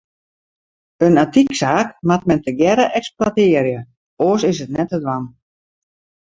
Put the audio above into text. In antyksaak moat men tegearre eksploitearje, oars is it net te dwaan.